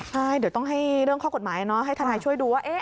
ใช่เดี๋ยวต้องให้เรื่องข้อกฎหมายให้ทนายช่วยดูว่า